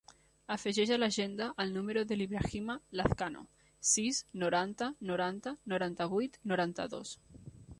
Afegeix a l'agenda el número de l'Ibrahima Lazcano: sis, noranta, noranta, noranta-vuit, noranta-dos.